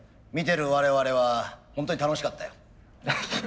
見てる我々はホントに楽しかったよ。